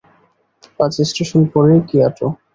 পাঁচ স্টেশন পরেই কিয়োটো।